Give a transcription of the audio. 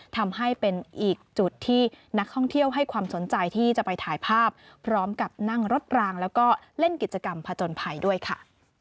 ทำให้เป็นอีกจุดที่นักท่องเที่ยวให้ความสนใจที่จะไปถ่ายภาพพร้อมกับนั่งรถรางแล้วก็เล่นกิจกรรมผจญภัยด้วยค่ะ